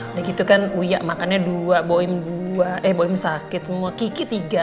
udah gitu kan uya makannya dua boim sakit kiki tiga